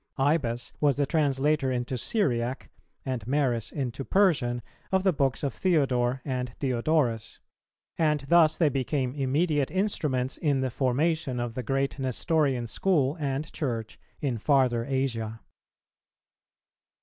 Ibas was the translator into Syriac, and Maris into Persian, of the books of Theodore and Diodorus;[286:1] and thus they became immediate instruments in the formation of the great Nestorian school and Church in farther Asia.